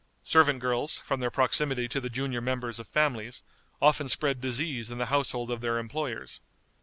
Servant girls, from their proximity to the junior members of families, often spread disease in the household of their employers.